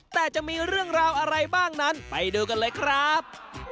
แต่จะมีเรื่องราวอะไรบ้างนั้นไปดูกันเลยครับ